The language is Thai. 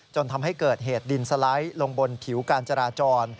จนทำให้เกิดเหตุดินสไลด์ลงบนผิวการจราจร